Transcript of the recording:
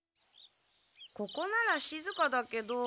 ここならしずかだけど。